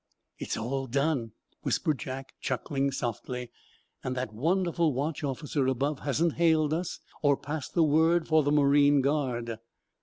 "It's all done," whispered Jack, chuckling softly, "and that wonderful watch officer above hasn't hailed us or passed the word for the marine guard!"